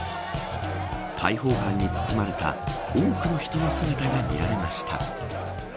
開放感に包まれた多くの人の姿が見られました。